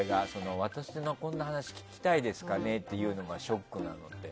私のこんな話聞きたいですかねっていうのがショックなのって。